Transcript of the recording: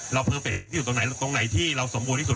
เราเพิ่มเป็นที่สุดตรงไหนและตรงไหนที่เราสมบูรณ์ที่สุด